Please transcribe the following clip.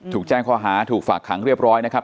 ถูกแจ้งข้อหาถูกฝากขังเรียบร้อยนะครับ